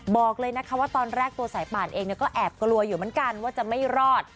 บอกเลยนะคะว่าตอนแรกตัวสายป่านเองก็แอบกลัวอยู่เหมือนกันว่าจะไม่รอด